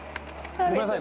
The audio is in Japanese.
ごめんなさい。